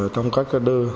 trong các ca đơ